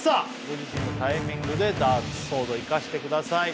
ご自身のタイミングでダーツソード生かしてください